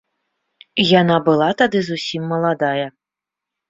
Яна была тады зусім маладая.